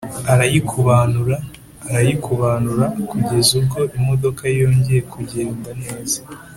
arayiykubanura, arayikubanura kugeza ubwo imodoka yongeye kugenda neza.